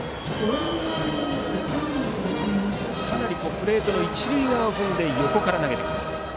プレートの一塁側を踏んで横から投げてきます。